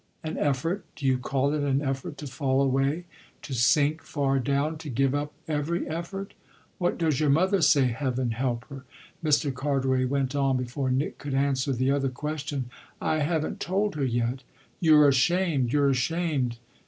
"An effort? Do you call it an effort to fall away, to sink far down, to give up every effort? What does your mother say, heaven help her?" Mr. Carteret went on before Nick could answer the other question. "I haven't told her yet." "You're ashamed, you're ashamed!"